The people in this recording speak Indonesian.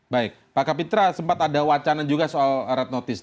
baik pak kapitra sempat ada wacana juga soal red notice